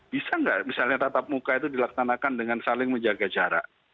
bisa nggak misalnya tatap muka itu dilaksanakan dengan saling menjaga jarak